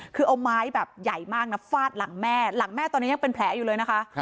คือเอาไม้แบบใหญ่มากนะฟาดหลังแม่หลังแม่ตอนนี้ยังเป็นแผลอยู่เลยนะคะ